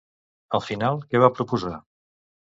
Al final, què va proposar?